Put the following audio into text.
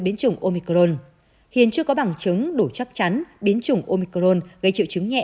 biến chủng omicron hiện chưa có bằng chứng đủ chắc chắn biến chủng omicron gây triệu chứng nhẹ